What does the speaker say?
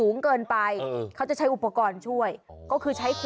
ง่ายเลย